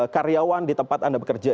karyawan di tempat anda bekerja